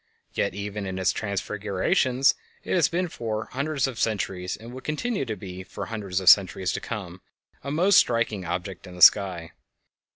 Yet even in its transfigurations it has been for hundreds of centuries, and will continue to be for hundreds of centuries to come, a most striking object in the sky.